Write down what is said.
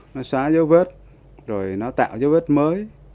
nó xóa dấu vết rồi nó tạo dấu vết mới